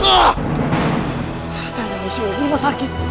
tidak ada musuh lagi mah sakit